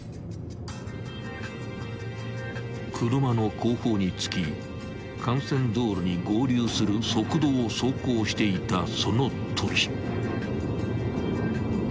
［車の後方につき幹線道路に合流する側道を走行していたそのとき］